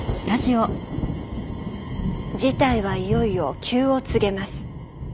事態はいよいよ急を告げます。